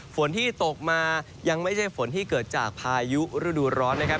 ฝนที่ตกมายังไม่ใช่ฝนที่เกิดจากพายุฤดูร้อนนะครับ